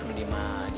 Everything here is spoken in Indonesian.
udah diam aja